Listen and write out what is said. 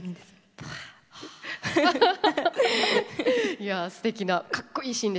いやすてきなかっこいいシーンでした。